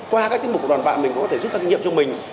qua các tiết mục của đoàn bạn mình có thể rút ra kinh nghiệm cho mình